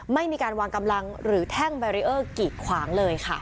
ไม่มีการวางกำลังหรือแท่งแบรีเออร์กีดขวางเลยค่ะ